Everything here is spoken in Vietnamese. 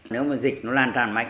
nếu mà dịch nó lan tràn mạnh